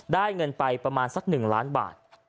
เงินไปประมาณสัก๑ล้านบาท